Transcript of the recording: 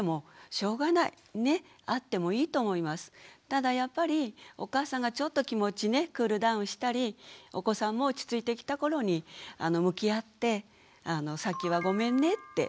ただやっぱりお母さんがちょっと気持ちクールダウンしたりお子さんも落ち着いてきた頃に向き合ってさっきはごめんねって。